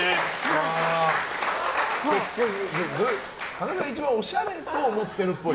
裸が一番おしゃれと思っているっぽい。